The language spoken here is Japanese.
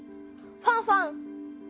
ファンファン！